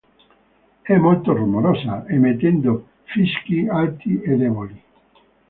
È molto rumorosa, emettendo fischi alti e deboli.